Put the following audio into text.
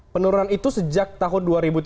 penurunan itu sejak tahun dua ribu tiga belas